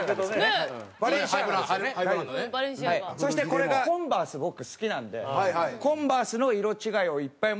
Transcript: そしてこれがコンバース僕好きなんでコンバースの色違いをいっぱい持ってて。